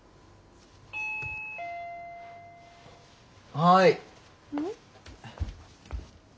はい。